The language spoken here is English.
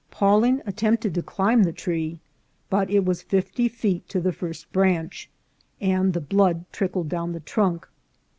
Pawling attempted to climb the tree ; but it was fifty feet to the first branch, and the blood trickled down the trunk.